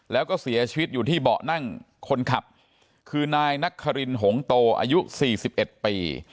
แล้วก็เสียชีวิตอยู่ที่เบาะนั่งคนขับคือนายนักคารินหงโตอายุ๔๑ปี